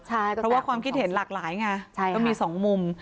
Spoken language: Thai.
เพราะว่าความคิดเห็นหลากหลายไงก็มีสองมุม